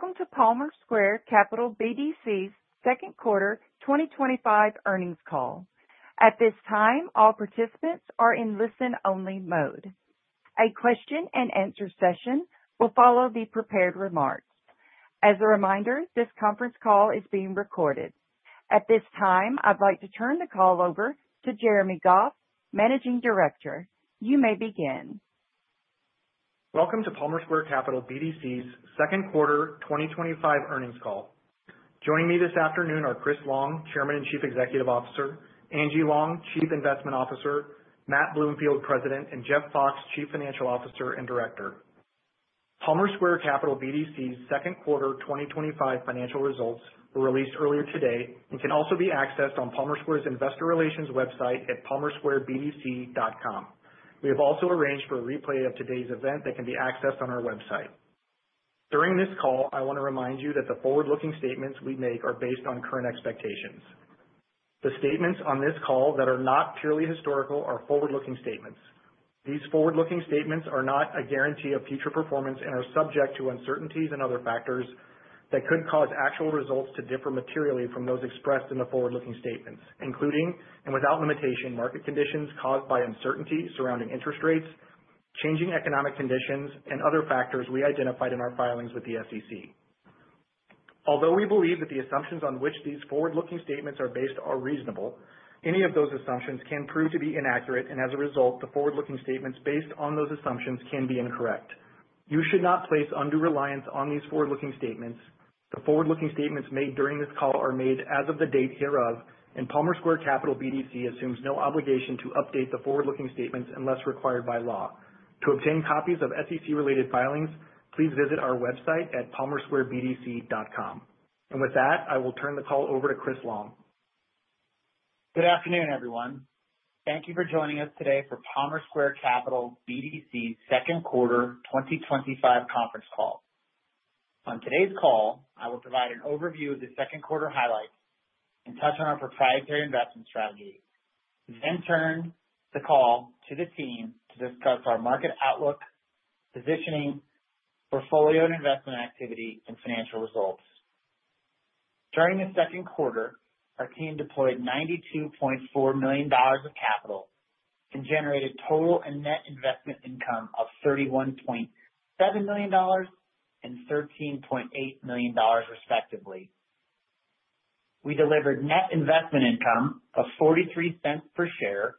Welcome to Palmer Square Capital BDC's second quarter 2025 earnings call. At this time, all participants are in listen-only mode. A question and answer session will follow the prepared remarks. As a reminder, this conference call is being recorded. At this time, I'd like to turn the call over to Jeremy Goff, managing director. You may begin. Welcome to Palmer Square Capital BDC's second quarter 2025 earnings call. Joining me this afternoon are Chris Long, Chairman and Chief Executive Officer, Angie Long, Chief Investment Officer, Matt Bloomfield, President, and Jeff Fox, Chief Financial Officer and Director. Palmer Square Capital BDC's second quarter 2025 financial results were released earlier today and can also be accessed on Palmer Square's investor relations website at palmersquarebdc.com. We have also arranged for a replay of today's event that can be accessed on our website. During this call, I want to remind you that the forward-looking statements we make are based on current expectations. The statements on this call that are not purely historical are forward-looking statements. These forward-looking statements are not a guarantee of future performance and are subject to uncertainties and other factors that could cause actual results to differ materially from those expressed in the forward-looking statements, including, and without limitation, market conditions caused by uncertainty surrounding interest rates, changing economic conditions, and other factors we identified in our filings with the SEC. Although we believe that the assumptions on which these forward-looking statements are based are reasonable, any of those assumptions can prove to be inaccurate, and as a result, the forward-looking statements based on those assumptions can be incorrect. You should not place undue reliance on these forward-looking statements. Palmer Square Capital BDC assumes no obligation to update the forward-looking statements unless required by law. To obtain copies of SEC-related filings, please visit our website at palmersquarebdc.com. With that, I will turn the call over to Chris Long. Good afternoon, everyone. Thank you for joining us today for Palmer Square Capital BDC's second quarter 2025 conference call. On today's call, I will provide an overview of the second quarter highlights and touch on our proprietary investment strategy. Turn the call to the team to discuss our market outlook, positioning, portfolio and investment activity, and financial results. During the second quarter, our team deployed $92.4 million of capital and generated total and net investment income of $31.7 million and $13.8 million, respectively. We delivered net investment income of $0.43 per share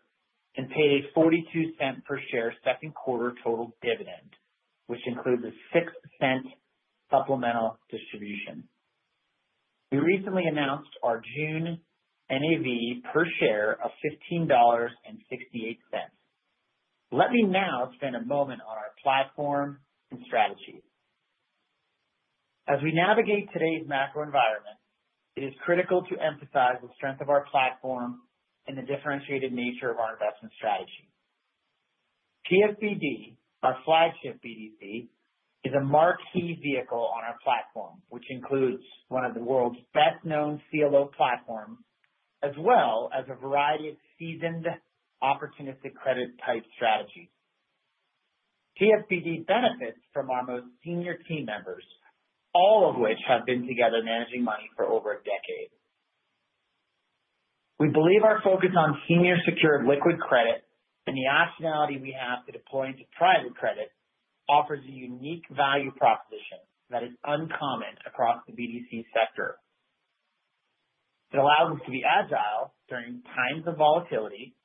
and paid a $0.42 per share second quarter total dividend, which includes a $0.06 supplemental distribution. We recently announced our June NAV per share of $15.68. Let me now spend a moment on our platform and strategy. As we navigate today's macro environment, it is critical to emphasize the strength of our platform and the differentiated nature of our investment strategy. PSBD, our flagship BDC, is a marquee vehicle on our platform, which includes one of the world's best-known CLO platforms, as well as a variety of seasoned opportunistic credit type strategies. PSBD benefits from our most senior team members, all of which have been together managing money for over a decade. We believe our focus on senior secured liquid credit and the optionality we have to deploy into private credit offers a unique value proposition that is uncommon across the BDC sector. It allows us to be agile during times of volatility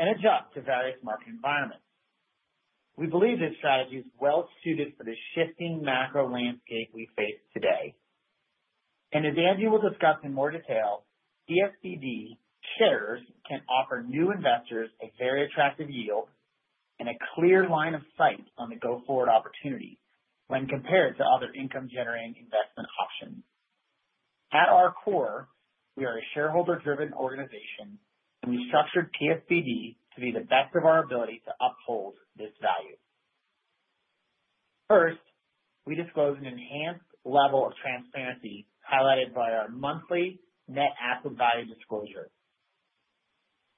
and adjust to various market environments. We believe this strategy is well suited for the shifting macro landscape we face today. As Angie will discuss in more detail, PSBD shares can offer new investors a very attractive yield and a clear line of sight on the go-forward opportunity when compared to other income-generating investment options. At our core, we are a shareholder-driven organization, and we structured PSBD to be the best of our ability to uphold this value. First, we disclose an enhanced level of transparency highlighted by our monthly net asset value disclosure.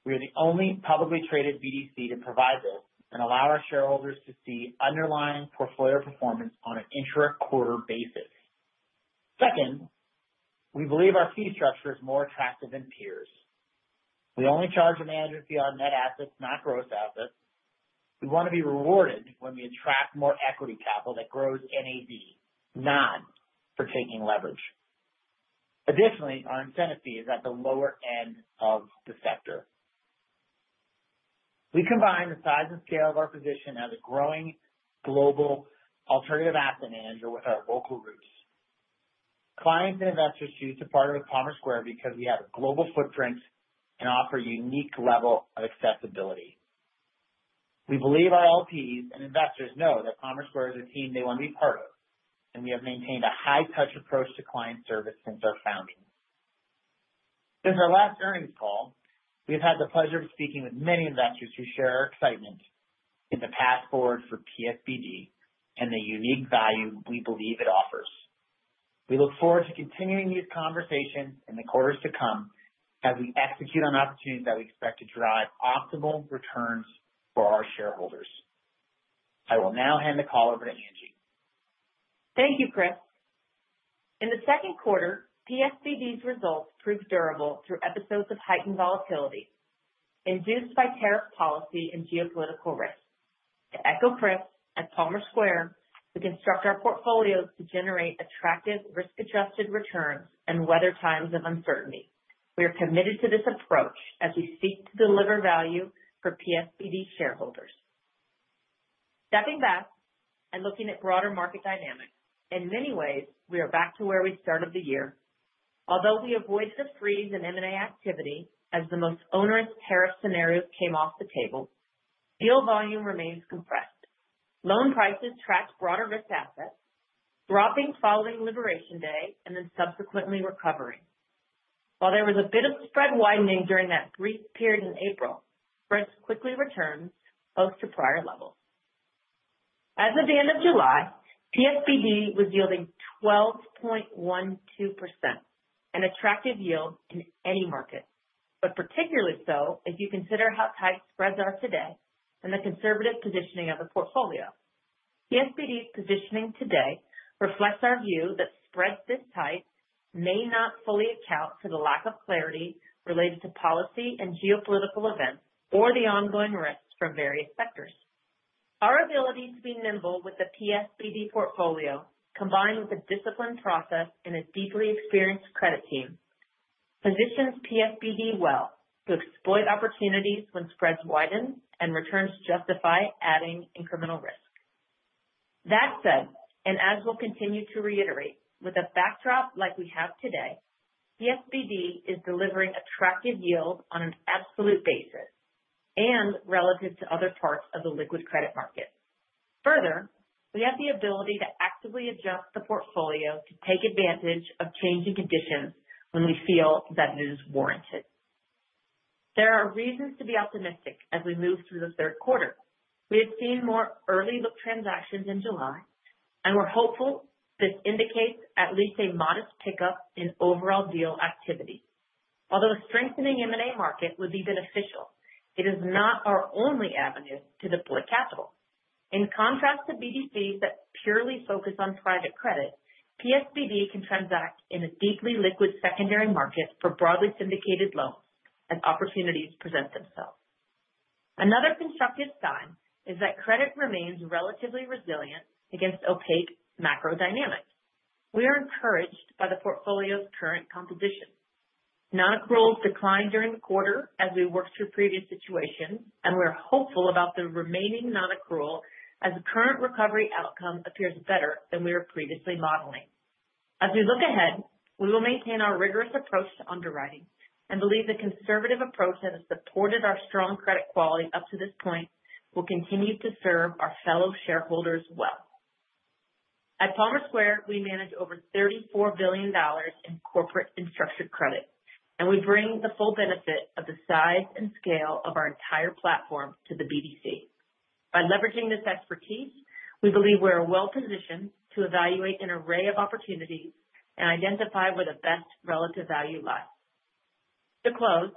We are the only publicly traded BDC to provide this and allow our shareholders to see underlying portfolio performance on an intra-quarter basis. Second, we believe our fee structure is more attractive than peers. We only charge a management fee on net assets, not gross assets. We want to be rewarded when we attract more equity capital that grows NAV, not for taking leverage. Additionally, our incentive fee is at the lower end of the sector. We combine the size and scale of our position as a growing global alternative asset manager with our local roots. Clients and investors choose to partner with Palmer Square because we have a global footprint and offer a unique level of accessibility. We believe our LPs and investors know that Palmer Square is a team they want to be part of, and we have maintained a high touch approach to client service since our founding. Since our last earnings call, we have had the pleasure of speaking with many investors who share our excitement in the path forward for PSBD and the unique value we believe it offers. We look forward to continuing these conversations in the quarters to come as we execute on opportunities that we expect to drive optimal returns for our shareholders. I will now hand the call over to Angie. Thank you, Chris. In the second quarter, PSBD's results proved durable through episodes of heightened volatility induced by tariff policy and geopolitical risk. To echo Chris, at Palmer Square, we construct our portfolios to generate attractive risk-adjusted returns and weather times of uncertainty. We are committed to this approach as we seek to deliver value for PSBD shareholders. Stepping back and looking at broader market dynamics, in many ways, we are back to where we started the year. We avoided a freeze in M&A activity as the most onerous tariff scenarios came off the table, deal volume remains compressed. Loan prices tracked broader risk assets, dropping following Liberation Day and then subsequently recovering. There was a bit of spread widening during that brief period in April, spreads quickly returned close to prior levels. As of the end of July, PSBD was yielding 12.12%, an attractive yield in any market, but particularly so as you consider how tight spreads are today and the conservative positioning of the portfolio. PSBD's positioning today reflects our view that spreads this tight may not fully account for the lack of clarity related to policy and geopolitical events or the ongoing risks from various sectors. Our ability to be nimble with the PSBD portfolio, combined with a disciplined process and a deeply experienced credit team, positions PSBD well to exploit opportunities when spreads widen and returns justify adding incremental risk. That said, as we'll continue to reiterate, with a backdrop like we have today, PSBD is delivering attractive yields on an absolute basis and relative to other parts of the liquid credit market. Further, we have the ability to actively adjust the portfolio to take advantage of changing conditions when we feel that it is warranted. There are reasons to be optimistic as we move through the third quarter. We have seen more early look transactions in July, and we're hopeful this indicates at least a modest pickup in overall deal activity. A strengthening M&A market would be beneficial, it is not our only avenue to deploy capital. In contrast to BDCs that purely focus on private credit, PSBD can transact in a deeply liquid secondary market for broadly syndicated loans as opportunities present themselves. Another constructive sign is that credit remains relatively resilient against opaque macro dynamics. We are encouraged by the portfolio's current composition. Non-accruals declined during the quarter as we worked through previous situations, and we are hopeful about the remaining non-accrual as the current recovery outcome appears better than we were previously modeling. As we look ahead, we will maintain our rigorous approach to underwriting and believe the conservative approach that has supported our strong credit quality up to this point will continue to serve our fellow shareholders well. At Palmer Square, we manage over $34 billion in corporate and structured credit, and we bring the full benefit of the size and scale of our entire platform to the BDC. By leveraging this expertise, we believe we are well positioned to evaluate an array of opportunities and identify where the best relative value lies. To close,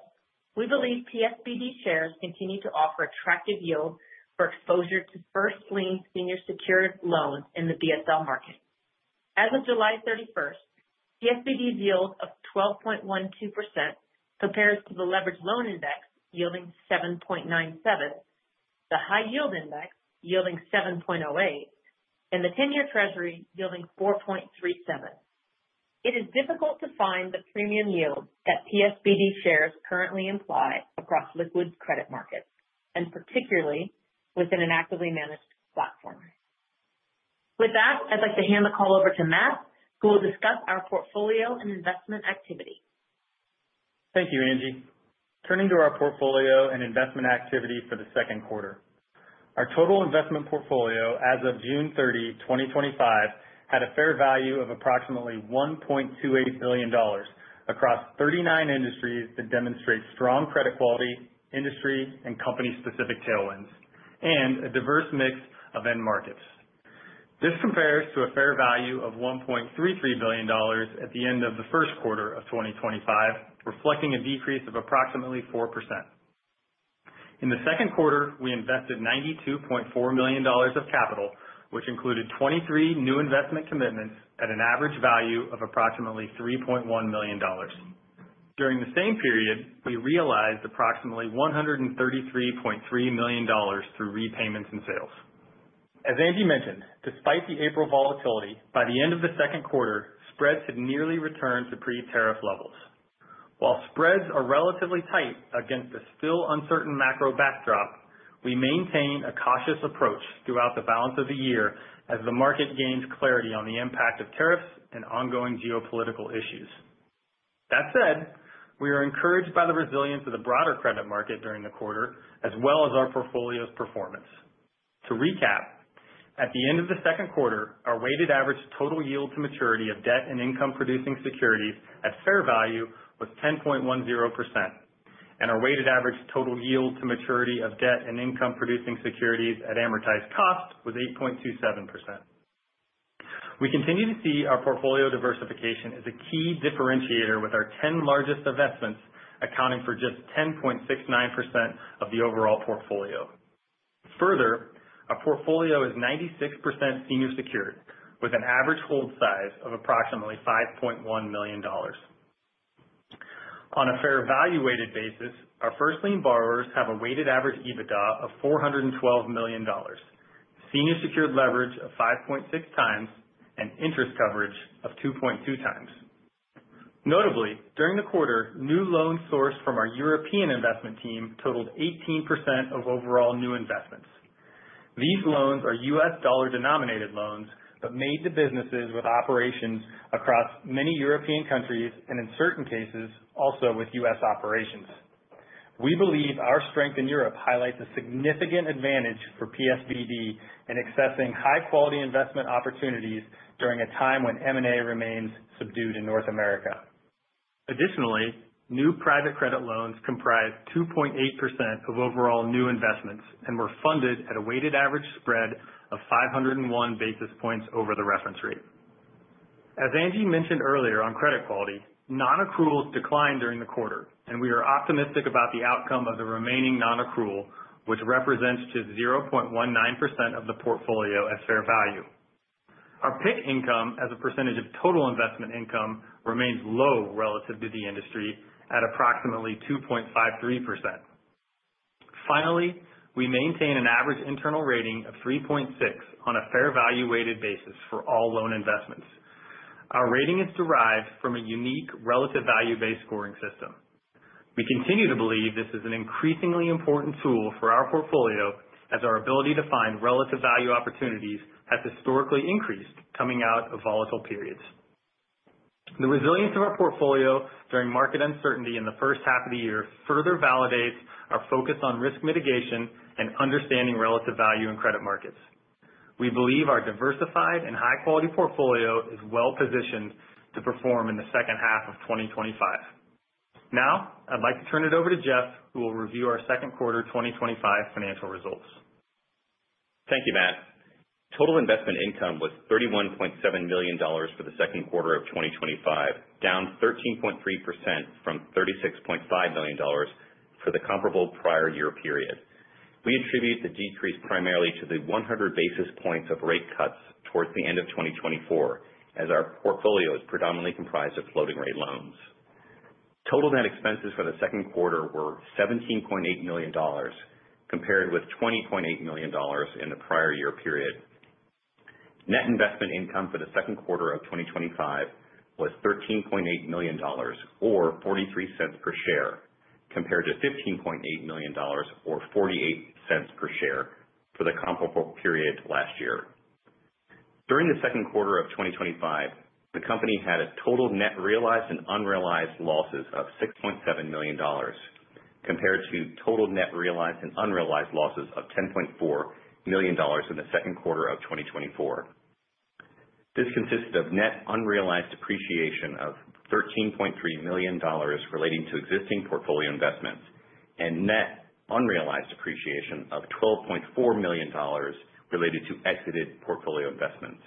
we believe PSBD shares continue to offer attractive yield for exposure to first lien senior secured loans in the BSL market. As of July 31st, PSBD's yield of 12.12% compares to the leverage loan index yielding 7.97%, the high yield index yielding 7.08%, and the 10-year treasury yielding 4.37%. It is difficult to find the premium yield that PSBD shares currently imply across liquid credit markets, and particularly within an actively managed platform. With that, I'd like to hand the call over to Matt, who will discuss our portfolio and investment activity. Thank you, Angie. Turning to our portfolio and investment activity for the second quarter. Our total investment portfolio as of June 30, 2025, had a fair value of approximately $1.28 billion across 39 industries that demonstrate strong credit quality, industry, and company specific tailwinds, and a diverse mix of end markets. This compares to a fair value of $1.33 billion at the end of the first quarter of 2025, reflecting a decrease of approximately 4%. In the second quarter, we invested $92.4 million of capital, which included 23 new investment commitments at an average value of approximately $3.1 million. During the same period, we realized approximately $133.3 million through repayments and sales. As Angie mentioned, despite the April volatility, by the end of the second quarter, spreads had nearly returned to pre-tariff levels. While spreads are relatively tight against the still uncertain macro backdrop, we maintain a cautious approach throughout the balance of the year as the market gains clarity on the impact of tariffs and ongoing geopolitical issues. That said, we are encouraged by the resilience of the broader credit market during the quarter, as well as our portfolio's performance. To recap, at the end of the second quarter, our weighted average total yield to maturity of debt and income-producing securities at fair value was 10.10%, and our weighted average total yield to maturity of debt and income-producing securities at amortized cost was 8.27%. We continue to see our portfolio diversification as a key differentiator with our 10 largest investments accounting for just 10.69% of the overall portfolio. Further, our portfolio is 96% senior secured with an average hold size of approximately $5.1 million. On a fair value weighted basis, our first lien borrowers have a weighted average EBITDA of $412 million. Senior secured leverage of 5.6 times and interest coverage of 2.2 times. Notably, during the quarter, new loans sourced from our European investment team totaled 18% of overall new investments. These loans are U.S. dollar denominated loans but made to businesses with operations across many European countries, and in certain cases, also with U.S. operations. We believe our strength in Europe highlights a significant advantage for PSBD in accessing high-quality investment opportunities during a time when M&A remains subdued in North America. Additionally, new private credit loans comprise 2.8% of overall new investments and were funded at a weighted average spread of 501 basis points over the reference rate. As Angie mentioned earlier on credit quality, non-accruals declined during the quarter. We are optimistic about the outcome of the remaining non-accrual, which represents just 0.19% of the portfolio at fair value. Our PIK income as a percentage of total investment income remains low relative to the industry at approximately 2.53%. Finally, we maintain an average internal rating of 3.6 on a fair value weighted basis for all loan investments. Our rating is derived from a unique relative value-based scoring system. We continue to believe this is an increasingly important tool for our portfolio as our ability to find relative value opportunities has historically increased coming out of volatile periods. The resilience of our portfolio during market uncertainty in the first half of the year further validates our focus on risk mitigation and understanding relative value in credit markets. We believe our diversified and high-quality portfolio is well positioned to perform in the second half of 2025. Now I'd like to turn it over to Jeff, who will review our second quarter 2025 financial results. Thank you, Matt. Total investment income was $31.7 million for the second quarter of 2025, down 13.3% from $36.5 million for the comparable prior year period. We attribute the decrease primarily to the 100 basis points of rate cuts towards the end of 2024 as our portfolio is predominantly comprised of floating rate loans. Total net expenses for the second quarter were $17.8 million compared with $20.8 million in the prior year period. Net investment income for the second quarter of 2025 was $13.8 million or $0.43 per share compared to $15.8 million or $0.48 per share for the comparable period last year. During the second quarter of 2025, the company had a total net realized and unrealized losses of $6.7 million compared to total net realized and unrealized losses of $10.4 million in the second quarter of 2024. This consisted of net unrealized appreciation of $13.3 million relating to existing portfolio investments and net unrealized appreciation of $12.4 million related to exited portfolio investments.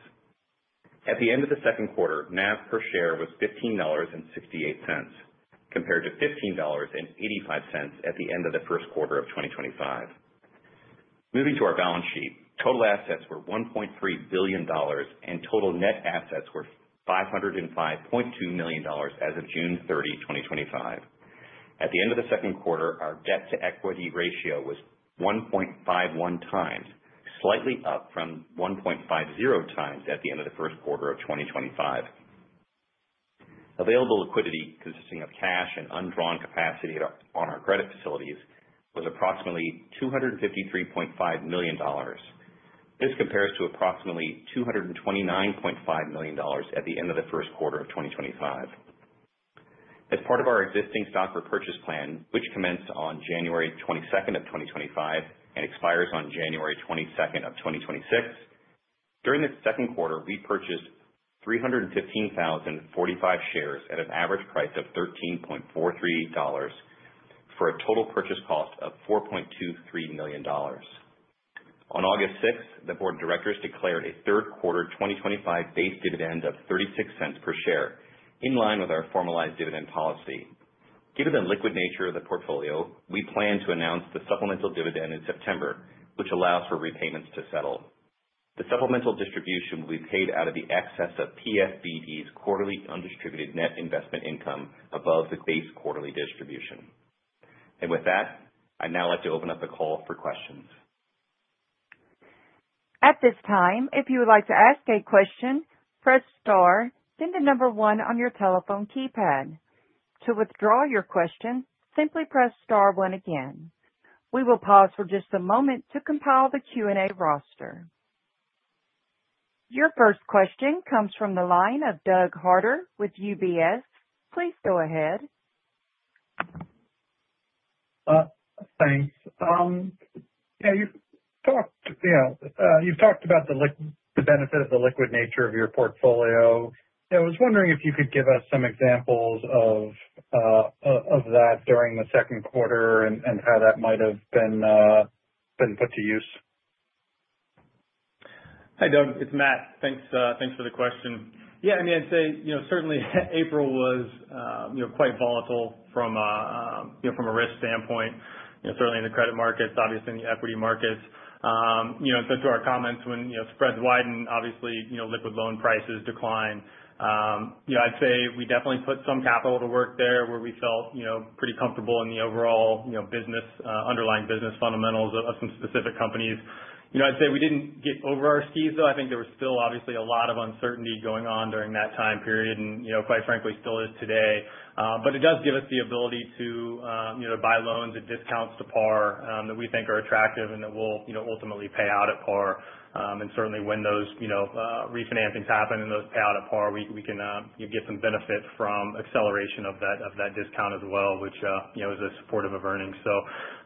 At the end of the second quarter, NAV per share was $15.68 compared to $15.85 at the end of the first quarter of 2025. Moving to our balance sheet, total assets were $1.3 billion and total net assets were $505.2 million as of June 30, 2025. At the end of the second quarter, our debt to equity ratio was 1.51 times, slightly up from 1.50 times at the end of the first quarter of 2025. Available liquidity consisting of cash and undrawn capacity on our credit facilities was approximately $253.5 million. This compares to approximately $229.5 million at the end of the first quarter of 2025. As part of our existing stock repurchase plan, which commenced on January 22nd of 2025 and expires on January 22nd of 2026, during the second quarter we purchased 315,045 shares at an average price of $13.43 for a total purchase cost of $4.23 million. On August 6th, the board of directors declared a third quarter 2025 base dividend of $0.36 per share, in line with our formalized dividend policy. Given the liquid nature of the portfolio, we plan to announce the supplemental dividend in September, which allows for repayments to settle. The supplemental distribution will be paid out of the excess of PSBD's quarterly undistributed net investment income above the base quarterly distribution. With that, I'd now like to open up the call for questions. At this time, if you would like to ask a question, press star, then the number one on your telephone keypad. To withdraw your question, simply press star one again. We will pause for just a moment to compile the Q&A roster. Your first question comes from the line of Doug Harter with UBS. Please go ahead. Thanks. You've talked about the benefit of the liquid nature of your portfolio. I was wondering if you could give us some examples of that during the second quarter and how that might have been Been put to use. Hi, Doug, it's Matt. Thanks for the question. Yeah, I'd say, certainly April was quite volatile from a risk standpoint, certainly in the credit markets, obviously in the equity markets. To our comments when spreads widen, obviously, liquid loan prices decline. I'd say we definitely put some capital to work there where we felt pretty comfortable in the overall underlying business fundamentals of some specific companies. I'd say we didn't get over our skis, though. I think there was still obviously a lot of uncertainty going on during that time period and, quite frankly, still is today. It does give us the ability to buy loans at discounts to par that we think are attractive and that will ultimately pay out at par. Certainly when those refinancings happen and those pay out at par, we can get some benefit from acceleration of that discount as well, which is supportive of earnings.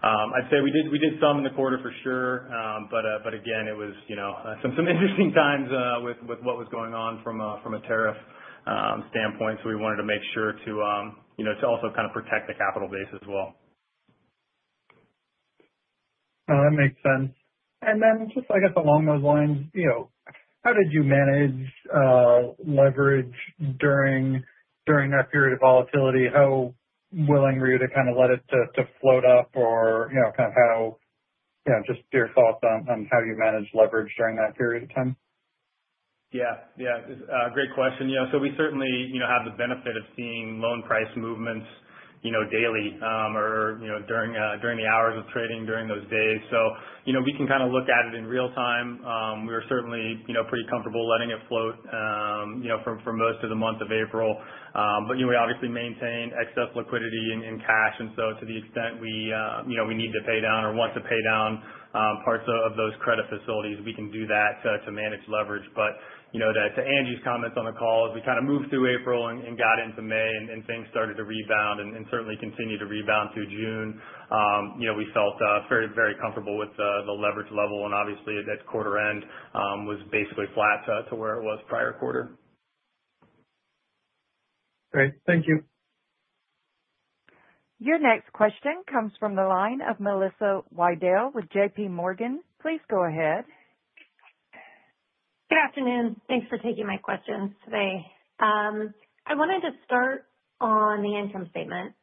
I'd say we did some in the quarter for sure. Again, it was some interesting times with what was going on from a tariff standpoint. We wanted to make sure to also kind of protect the capital base as well. No, that makes sense. Just I guess along those lines, how did you manage leverage during that period of volatility? How willing were you to kind of let it to float up or just your thoughts on how you managed leverage during that period of time. Great question. We certainly have the benefit of seeing loan price movements daily or during the hours of trading during those days. We can kind of look at it in real time. We were certainly pretty comfortable letting it float for most of the month of April. We obviously maintain excess liquidity in cash. To the extent we need to pay down or want to pay down parts of those credit facilities, we can do that to manage leverage. To Angie's comments on the call, as we kind of moved through April and got into May and things started to rebound and certainly continued to rebound through June, we felt very comfortable with the leverage level. Obviously at quarter end was basically flat to where it was prior quarter. Great. Thank you. Your next question comes from the line of Melissa Weddle with JPMorgan. Please go ahead. Good afternoon. Thanks for taking my questions today. I wanted to start on the income statement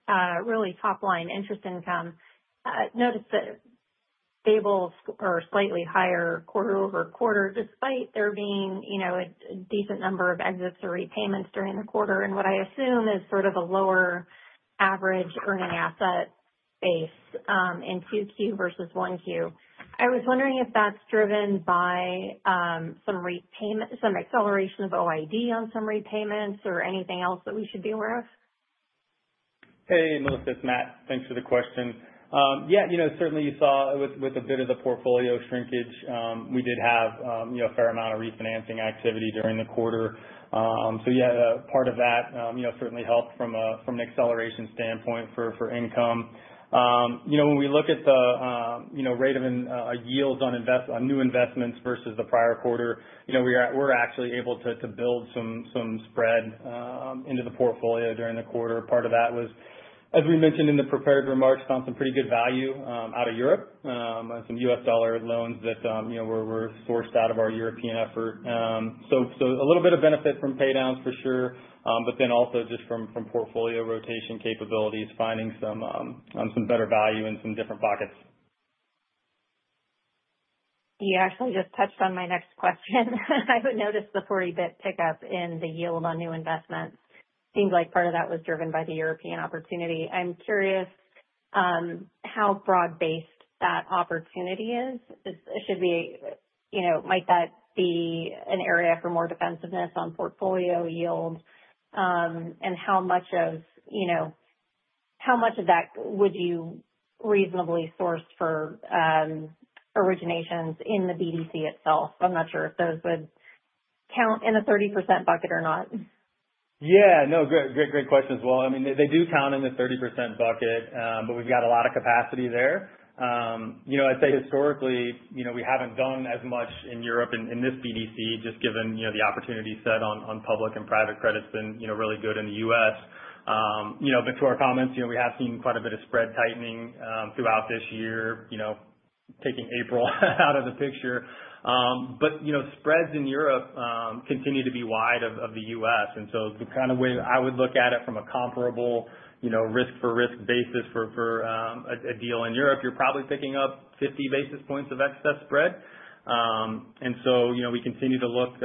really top line interest income. Noticed that totals are slightly higher quarter-over-quarter, despite there being a decent number of exits or repayments during the quarter and what I assume is sort of a lower average earning asset base in 2Q versus 1Q. I was wondering if that's driven by some acceleration of OID on some repayments or anything else that we should be aware of. Hey, Melissa, it's Matt. Thanks for the question. Certainly you saw with a bit of the portfolio shrinkage, we did have a fair amount of refinancing activity during the quarter. Part of that certainly helped from an acceleration standpoint for income. When we look at the rate of yields on new investments versus the prior quarter, we're actually able to build some spread into the portfolio during the quarter. Part of that was, as we mentioned in the prepared remarks, found some pretty good value out of Europe on some US dollar loans that were sourced out of our European effort. Also just from portfolio rotation capabilities, finding some better value in some different pockets. You actually just touched on my next question. I had noticed the 40 basis point pickup in the yield on new investments. Seems like part of that was driven by the European opportunity. I'm curious how broad-based that opportunity is. Might that be an area for more defensiveness on portfolio yield? How much of that would you reasonably source for originations in the BDC itself? I'm not sure if those would count in the 30% bucket or not. Great question as well. They do count in the 30% bucket. We've got a lot of capacity there. I'd say historically we haven't done as much in Europe in this BDC just given the opportunity set on public and private credit's been really good in the U.S. To our comments, we have seen quite a bit of spread tightening throughout this year, taking April out of the picture. Spreads in Europe continue to be wide of the U.S., the kind of way that I would look at it from a comparable risk for risk basis for a deal in Europe, you're probably picking up 50 basis points of excess spread. We continue to look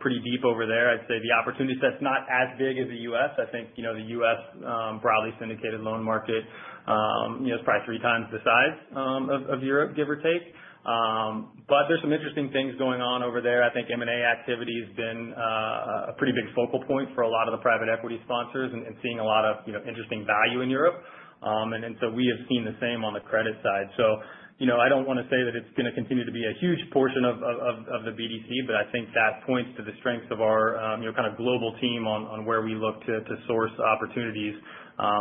pretty deep over there. I'd say the opportunity set's not as big as the U.S. I think the U.S. broadly syndicated loan market is probably three times the size of Europe, give or take. There's some interesting things going on over there. I think M&A activity has been a pretty big focal point for a lot of the private equity sponsors and seeing a lot of interesting value in Europe. We have seen the same on the credit side. I don't want to say that it's going to continue to be a huge portion of the BDC, but I think that points to the strength of our kind of global team on where we look to source opportunities.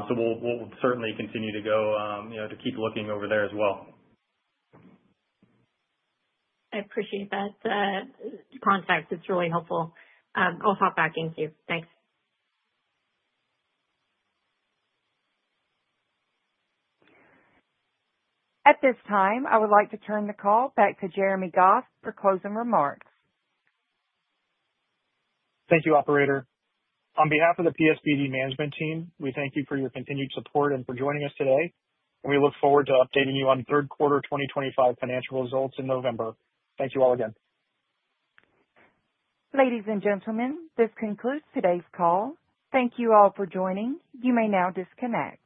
We'll certainly continue to go to keep looking over there as well. I appreciate that context. It's really helpful. I'll hop back in queue. Thanks. At this time, I would like to turn the call back to Jeremy Goff for closing remarks. Thank you, operator. On behalf of the PSBD management team, we thank you for your continued support and for joining us today. We look forward to updating you on third quarter 2025 financial results in November. Thank you all again. Ladies and gentlemen, this concludes today's call. Thank you all for joining. You may now disconnect.